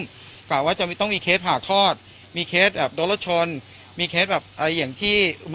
กะว่าจะต้องมีเคสผ่าคลอดมีเคสแบบโดนรถชนมีเคสแบบอะไรอย่างที่